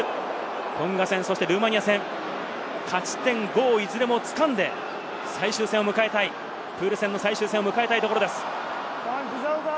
トンガ戦、そしてルーマニア戦、勝ち点５をいずれも掴んで、最終戦を迎えたい、プール戦最終戦を迎えたいところです。